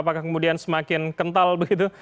apakah kemudian semakin kental begitu